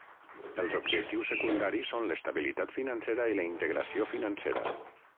Els objectius secundaris són l'estabilitat financera i la integració financera.